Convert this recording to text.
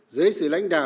dưới sự lãnh đạo